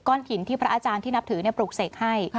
ถิ่นที่พระอาจารย์ที่นับถือปลูกเสกให้